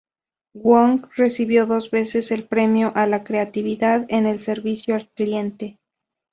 Wong recibió dos veces el Premio a la Creatividad en el Servicio al Cliente.